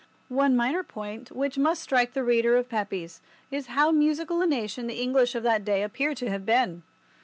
One minor point which must strike the reader of Pepys is how musical a nation the English of that day appear to have been.